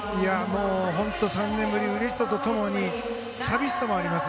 ３年ぶり、うれしさと共に寂しさもあります。